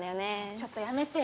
ちょっとやめてよ。